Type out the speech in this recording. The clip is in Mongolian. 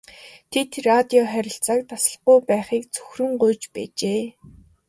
Тэд радио харилцааг таслахгүй байхыг цөхрөн гуйж байжээ.